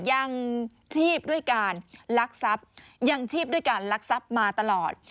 ยังชีพด้วยการลักทรัพย์ยังชีพด้วยการลักทรัพย์มาตลอด